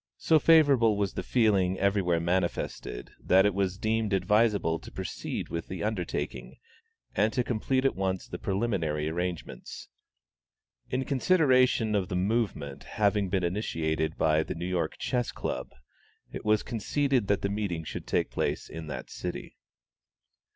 So favorable was the feeling everywhere manifested, that it was deemed advisable to proceed with the undertaking, and to complete at once the preliminary arrangements."[A] In consideration of the movement having been initiated by the New York Chess Club, it was conceded that the meeting should take place in that city.